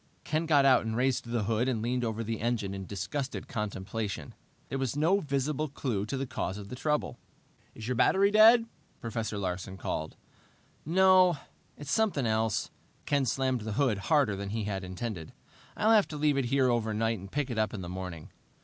Ken got out and raised the hood and leaned over the engine in disgusted contemplation. There was no visible clue to the cause of the trouble. "Is your battery dead?" Professor Larsen called. "No. It's something else." Ken slammed the hood harder than he had intended. "I'll have to leave it here overnight and pick it up in the morning."